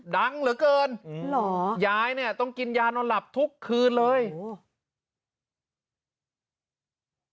ดังเหลือเกินยายเนี่ยต้องกินยานอนหลับทุกคืนเลยโอ้โห